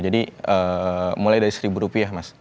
jadi mulai dari seribu rupiah mas